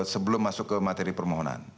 sebelum masuk ke materi permohonan